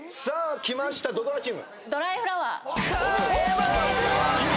きました土ドラチーム。